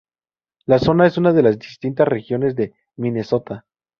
La zona es una de las distintas regiones de Minnesota.